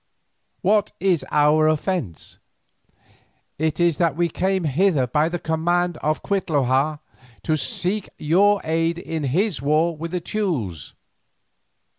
What is our offence? It is that we came hither by the command of Cuitlahua to seek your aid in his war with the Teules.